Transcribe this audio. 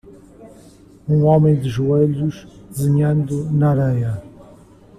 um homem de joelhos desenhando na areia